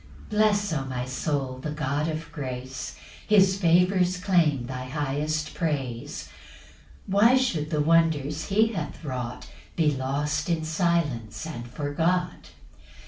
2 Bless, O my soul, the God of grace; His favours claim thy highest praise; Why should the wonders he hath wrought Be lost in silence and forgot?